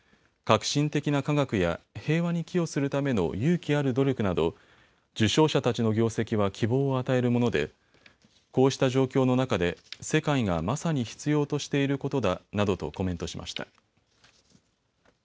革新的な科学や平和に寄与するための勇気ある努力など受賞者たちの業績は希望を与えるものでこうした状況の中で世界がまさに必要としていることだなどとコメントしました。